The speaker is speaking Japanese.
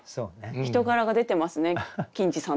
人柄が出てますね欣次さんの。